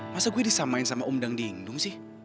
masa gue disamain sama om dangdindung sih